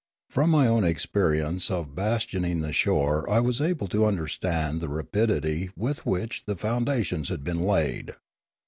From my own experience of hastioning the shore I was able to understand the rapidity with which the founda tions had been laid.